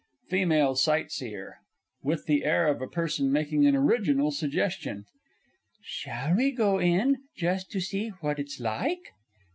A FEMALE SIGHTSEER (with the air of a person making an original suggestion) Shall we go in, just to see what it's like?